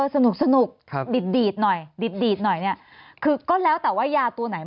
สนุกดีดหน่อยดีดหน่อยเนี่ยคือก็แล้วแต่ว่ายาตัวไหน